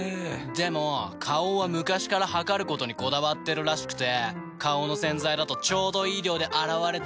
でも花王は昔から量ることにこだわってるらしくて花王の洗剤だとちょうどいい量で洗われてるなって。